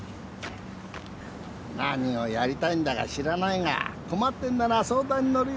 何をやりたいんだか知らないが困ってんなら相談に乗るよ。